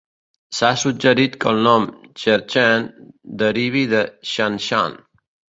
S'ha suggerit que el nom "cherchen" derivi de Shanshan.